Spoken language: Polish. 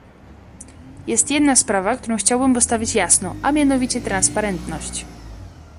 Jest jedna sprawa, którą chciałbym postawić jasno, a mianowicie transparentność